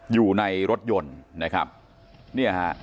อยู่ในรถยนต์